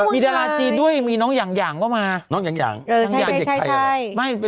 มีดาราจีนด้วยมีน้องหย่างหย่างก็มาน้องหย่างหย่างใช่ใช่ใช่